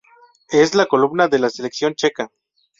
Es la columna de la selección checa.